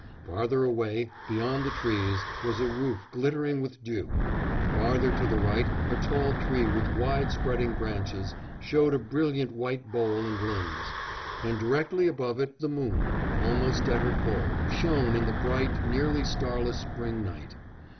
Farther away, beyond the trees, was a roof glittering with dew; farther to the right a tall tree with wide spreading branches, showed a brilliant white bole and limbs; and directly above it the moon, almost at her full, shone in the bright, nearly starless spring night.